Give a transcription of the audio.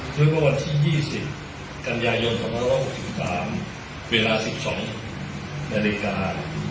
ด้วยว่าวันที่๒๐กันยายนธรรมศาสตร์๖๓เวลา๑๒นาฬิกา